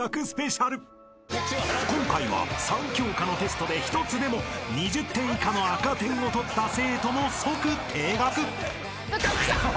［今回は３教科のテストで一つでも２０点以下の赤点を取った生徒も即停学！］